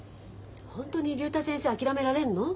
ホントに竜太先生諦められるの？